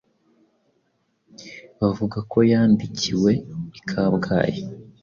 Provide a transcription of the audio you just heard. Bavuga ko yandikiwe i Kabgayi.